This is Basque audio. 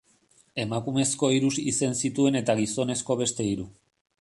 Emakumezko hiru izen zituen eta gizonezko beste hiru.